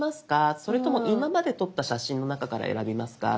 それとも「今まで撮った写真の中から選びますか？」